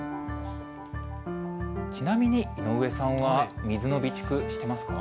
ちなみに井上さんは水の備蓄、していますか？